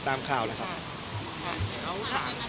ตามข่าวเลยครับนัดวันที่๒๕พฤษภาคมเวลา๙โมงเช้าครับ